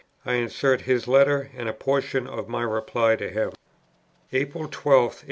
I insert his letter, and a portion of my reply to him: "April 12, 1842.